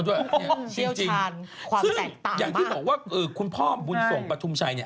ชะพอกทาง